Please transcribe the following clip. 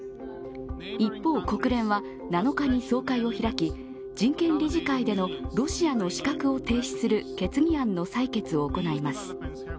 一方、国連は７日に総会を開き、人権理事会でのロシアの資格を停止する決議案の採決を行います。